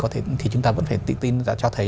thì chúng ta vẫn phải tự tin cho thấy